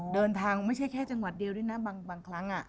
ไม่ใช่แค่จังหวัดเดียวด้วยนะบางครั้ง